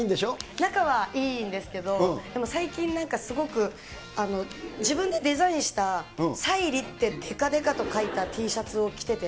仲はいいんですけど、でも最近、すごく、自分でデザインした沙莉ってでかでかと書いたＴシャツを着てて。